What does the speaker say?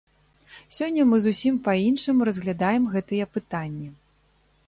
Сёння мы зусім па-іншаму разглядаем гэтыя пытанні.